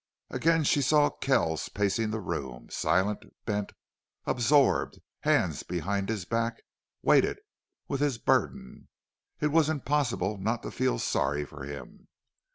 Again she saw Kells pacing the room, silent, bent, absorbed, hands behind his back, weighted with his burden. It was impossible not to feel sorry for him.